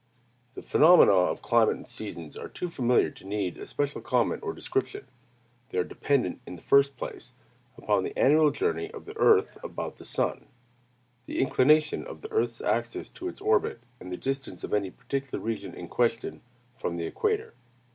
The phenomena of climate and seasons are too familiar to need especial comment or description. They are dependent, in the first place, upon the annual journey of the earth about the sun, the inclination of the earth's axis to its orbit, and the distance of any particular region in question, from the equator.